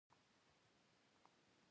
کله چې سمې، پاکې او نېغې لارې بندې شي.